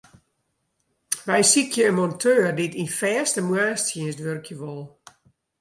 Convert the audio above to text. Wy sykje in monteur dy't yn fêste moarnstsjinst wurkje wol.